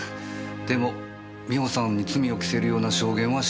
でも美穂さんに罪を着せるような証言はしなかった。